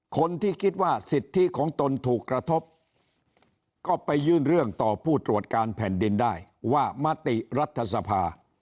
คนที่คิดว่าสิทธิของตนถูกกระทบก็ไปยื่นเรื่องต่อผู้ตรวจการแผ่นดินได้ว่ามติรัฐสภา